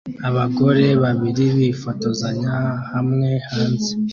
abagore babiri bifotozanya hamwe hanze